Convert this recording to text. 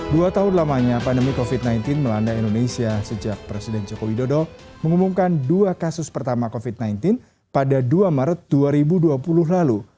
dua tahun lamanya pandemi covid sembilan belas melanda indonesia sejak presiden joko widodo mengumumkan dua kasus pertama covid sembilan belas pada dua maret dua ribu dua puluh lalu